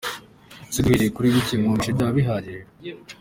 Ese duhereye kuri bicye mwumvise byaba bihagije?